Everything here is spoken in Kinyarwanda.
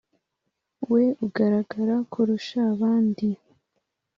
we ugaragara kurusha abandi